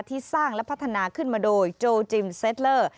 ที่สร้างและพัฒนาขึ้นมาโดยโจจิมเซตเลอร์